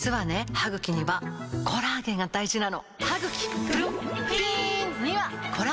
歯ぐきにはコラーゲンが大事なの！